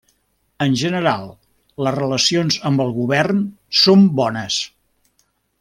En general les relacions amb el govern són bones.